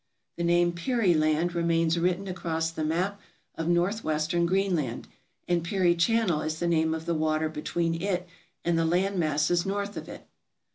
The name Peary Land remains written across the map of northwestern Greenland, and Peary Channel is the 460 TRAVELERS AND EXPLORERS name of the water between it and the land masses north of it.